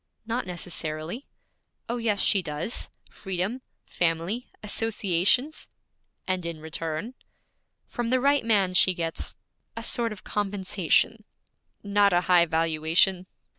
'Not necessarily.' 'Oh, yes she does: freedom, family, associations.' 'And in return?' 'From the right man she gets a sort of compensation.' 'Not a high valuation.'